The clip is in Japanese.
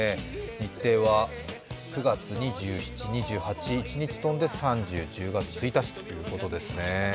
日程は９月２７日、２８日、飛んで３０日、１日ということですね。